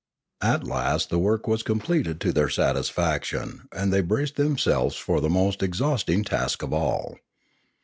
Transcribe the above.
At last the work was completed to their satisfaction, and they braced themselves for the most exhausting task of all.